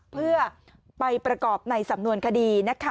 เพื่อไปประกอบในสำนวนคดีนะคะ